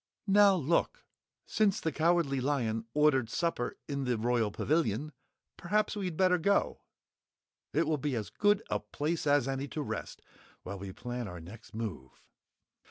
"Now, look! Since the Cowardly Lion ordered supper in the Royal Pavilion, perhaps we'd better go. It will be as good a place as any to rest while we plan our next move."